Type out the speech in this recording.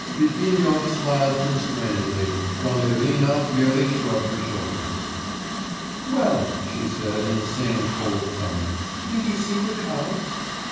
Litvinov smiled constrainedly, while Irina merely shrugged her shoulders. 'Well,' she said in the same cold tone, 'did you see the Count?